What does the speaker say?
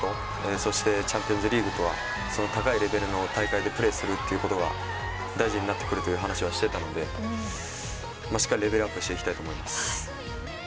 そしてチャンピオンズリーグとはその高いレベルの大会でプレーするということが大事になってくるという話でしっかりレベルアップしていきたいです。